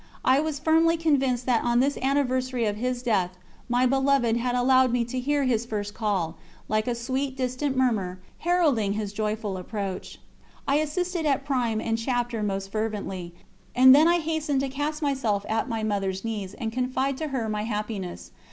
I was firmly convinced that on this anniversary of His Death, my Beloved had allowed me to hear His first call, like a sweet, distant murmur, heralding His joyful approach. I assisted at Prime and Chapter most fervently, and then I hastened to cast myself at my Mother's knees and confide to her my happiness.